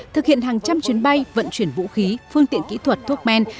thực hiện hàng trăm chuyến bay vận chuyển vũ khí phương tiện kỹ thuật thuốc men